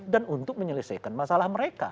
dan untuk menyelesaikan masalah mereka